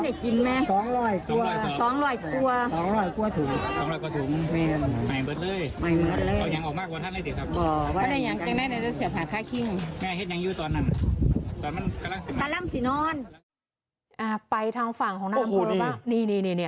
ไปทางฝั่งของห้างบริเวณพื้นธรรมะนี่